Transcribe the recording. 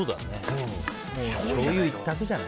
しょうゆじゃない？